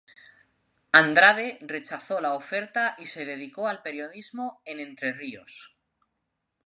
Andrade rechazó la oferta y se dedicó al periodismo en Entre Ríos.